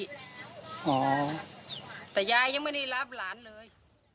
อ๋อแต่ยายยังไม่ได้รับหลานเลย